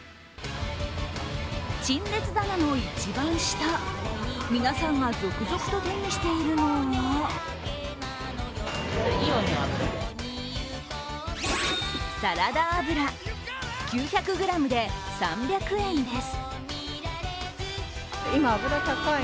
陳列棚の一番下、皆さんが続々と手にしているのはサラダ油、９００ｇで３００円です。